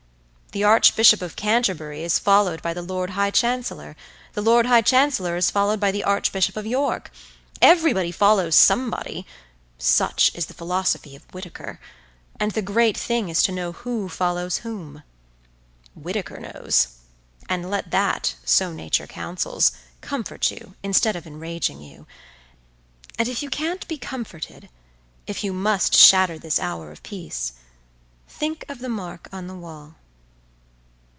The Archbishop of Canterbury is followed by the Lord High Chancellor; the Lord High Chancellor is followed by the Archbishop of York. Everybody follows somebody, such is the philosophy of Whitaker; and the great thing is to know who follows whom. Whitaker knows, and let that, so Nature counsels, comfort you, instead of enraging you; and if you can't be comforted, if you must shatter this hour of peace, think of the mark on the wall.